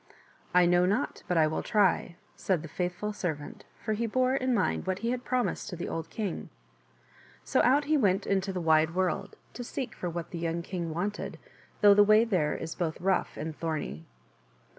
" I know not, but I will try," said the faithful servant, for he bore in mind what he had promised to the old king. So out he went into the wide world, to seek for what the young king wanted, though the way there is both rough and thorny.